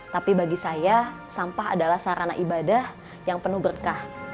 tapi bagi saya sampah adalah sarana ibadah yang penuh berkah